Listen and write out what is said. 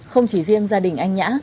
không chỉ riêng gia đình anh nhã